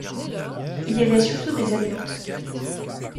Il y avait surtout des adultes.